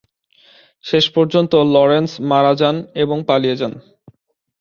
শেষ পর্যন্ত লরেন্স মারা যান এবং পালিয়ে যান।